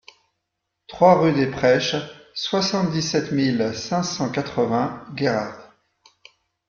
trois rue des Prêches, soixante-dix-sept mille cinq cent quatre-vingts Guérard